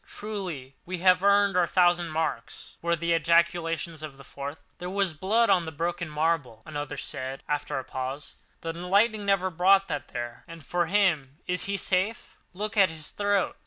Truly we have earned our thousand marks!" were the ejaculations of a fourth. "There was blood on the broken marble," another said after a pause—"the lightning never brought that there. And for him—is he safe? Look at his throat!